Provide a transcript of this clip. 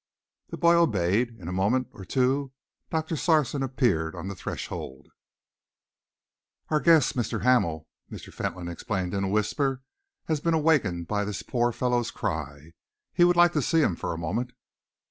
The boy obeyed. In a moment or two Doctor Sarson appeared on the threshold. "Our guest, Mr. Hamel," Mr. Fentolin explained in a whisper, "has been awakened by this poor fellow's cry. He would like to see him for a moment."